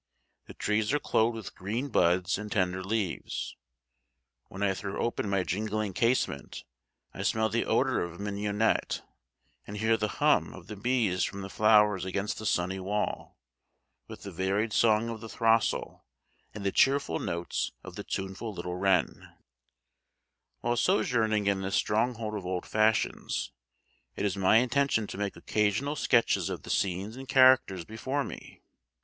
The trees are clothed with green buds and tender leaves; when I throw open my jingling casement I smell the odour of mignonette, and hear the hum of the bees from the flowers against the sunny wall, with the varied song of the throstle, and the cheerful notes of the tuneful little wren. [Illustration: The Terrace Garden] While sojourning in this stronghold of old fashions, it is my intention to make occasional sketches of the scenes and characters before me.